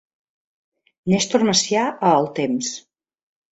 Néstor Macià a El Temps.